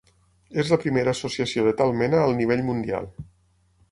És la primera associació de tal mena al nivell mundial.